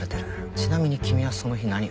ちなみに君はその日何を？